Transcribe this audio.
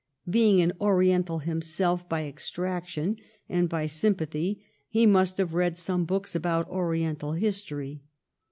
Being an Oriental himself by extraction and by sympa thy, he must have read some books about Oriental history.